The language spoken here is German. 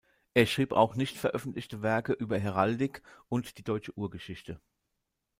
Er schrieb auch nicht veröffentlichte Werke über Heraldik und die deutsche „Urgeschichte“.